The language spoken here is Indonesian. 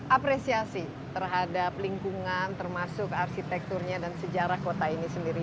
apresiasi terhadap lingkungan termasuk arsitekturnya dan sejarah kota ini sendiri